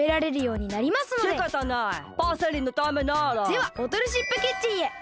ではボトルシップキッチンへ。